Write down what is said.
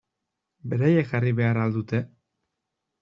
Beraiek jarri behar al dute?